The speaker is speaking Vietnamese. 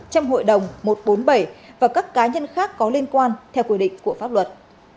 trong hội đồng một trăm bốn mươi bảy và các cá nhân khác có liên quan theo quy định của pháp luật